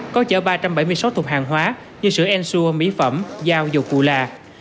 có chở ba trăm bảy mươi sáu thùng hàng hóa như sữa ensure mỹ phẩm dao dầu cụ là